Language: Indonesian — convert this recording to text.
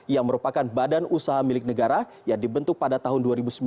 yang merupakan badan usaha milik negara yang dibentuk pada tahun dua ribu sembilan